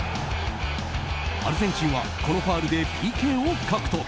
アルゼンチンはこのファウルでＰＫを獲得。